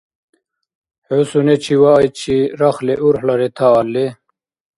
ХӀу сунечи ваайчи рахли урхӀла ретаалли?